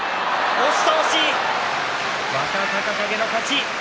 押し倒し、若隆景の勝ち。